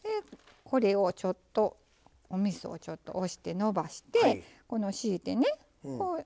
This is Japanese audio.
これをちょっとおみそをちょっと押してのばしてこの敷いてね